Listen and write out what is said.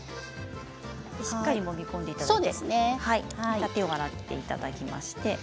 しっかりもみ込んでいただいて手を洗っていただいて。